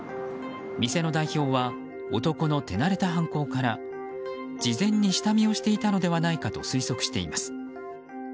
店の代表は男の手慣れた犯行から事前に下見をしていたのではないかと推測しています。